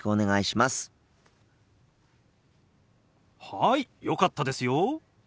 はいよかったですよ。